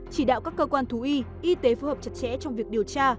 chỉ đạo các cơ quan thú y y tế phù hợp chặt chẽ trong việc điều tra